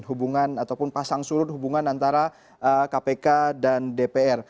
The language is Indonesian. hubungan ataupun pasang surut hubungan antara kpk dan dpr